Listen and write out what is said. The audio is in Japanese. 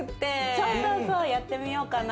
そうそうそうやってみようかな。